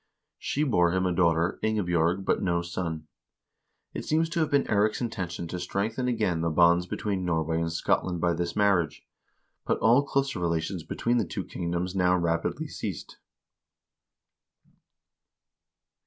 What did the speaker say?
She bore him a daughter, Ingebj0rg, but no son. It seems to have been Eirik's intention to strengthen again the bonds between Norway and Scotland by this marriage, but all closer rela tions between the two kingdoms now rapidly ceased.